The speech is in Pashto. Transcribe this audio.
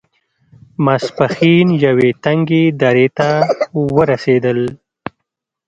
ماسپښين يوې تنګې درې ته ورسېدل.